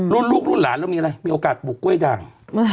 ลูกรุ่นหลานเรามีอะไรมีโอกาสปลูกกล้วยด่าง